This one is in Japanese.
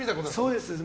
そうです。